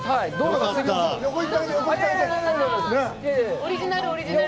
オリジナル、オリジナル。